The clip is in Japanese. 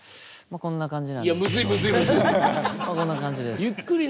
こんな感じです。